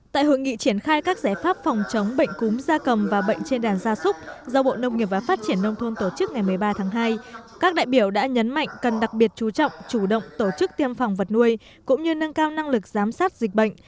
tại hội nghị triển khai các giải pháp phòng chống bệnh cúm da cầm và bệnh trên đàn gia súc do bộ nông nghiệp và phát triển nông thôn tổ chức ngày một mươi ba tháng hai các đại biểu đã nhấn mạnh cần đặc biệt chú trọng chủ động tổ chức tiêm phòng vật nuôi cũng như nâng cao năng lực giám sát dịch bệnh